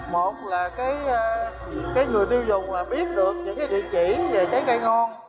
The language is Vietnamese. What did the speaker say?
một là người tiêu dùng biết được những địa chỉ về trái cây ngon